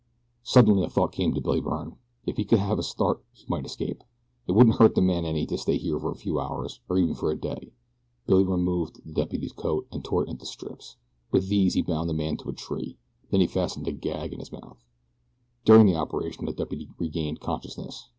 Suddenly a thought came to Billy Byrne. If he could have a start he might escape. It wouldn't hurt the man any to stay here for a few hours, or even for a day. Billy removed the deputy's coat and tore it into strips. With these he bound the man to a tree. Then he fastened a gag in his mouth. During the operation the deputy regained consciousness.